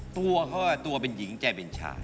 ตัวเขาตัวเป็นหญิงใจเป็นชาย